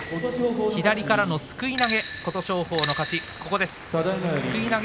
左からのすくい投げ、琴勝峰の勝ち。